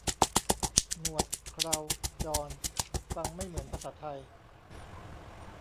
หนวด เครา จอน ฟังไม่เหมือนภาษาไทย